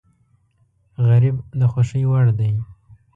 غریب د خوښۍ وړ دی